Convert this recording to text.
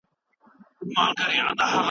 موږ باید خپله خاوره پخپله اباده کړو.